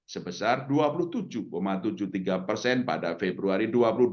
sebesar dua puluh tujuh tujuh puluh tiga persen pada februari dua ribu dua puluh satu